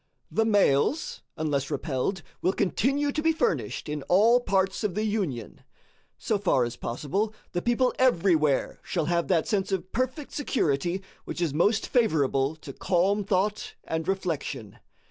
The mails, unless repelled, will continue to be furnished in all parts of the Union. So far as possible, the people everywhere shall have that sense of perfect security which is most favorable to calm thought and reflection.